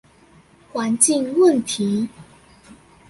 環境問題